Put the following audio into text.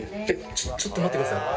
ちょっちょっと待ってください。